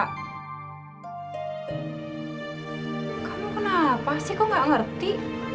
kamu kenapa sih kok gak ngerti